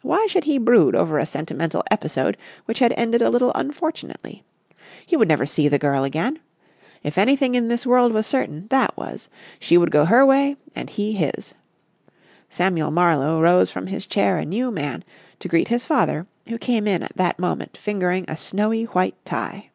Why should he brood over a sentimental episode which had ended a little unfortunately? He would never see the girl again. If anything in this world was certain, that was. She would go her way, and he his. Samuel Marlowe rose from his chair a new man, to greet his father, who came in at that moment fingering a snowy white tie.